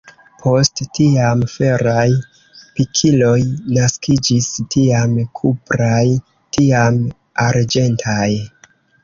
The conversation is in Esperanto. Post tiam, feraj pikiloj naskiĝis, tiam kupraj, tiam arĝentaj.